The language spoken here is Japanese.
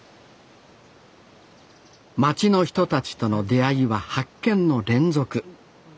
町の人たちとの出会いは発見の連続。